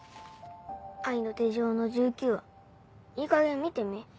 『愛の手錠』の１９話いいかげん見てみ。